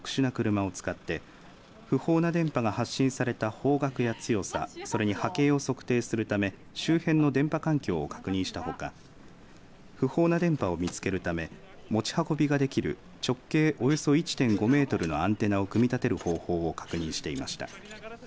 職員は高さ１０メートルほどのアンテナを備えた特殊な車を使って不法な電波が発信された方角や波形を測定するため周辺の電波環境を確認しながら不法な電波を見つけるため持ち運びができる直径およそ１．５メートルのアンテナを組み立てる方法を確認していました。